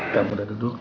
kamu udah duduk